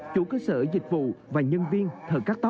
chủ cơ sở dịch vụ và nhân viên thợ cắt tóc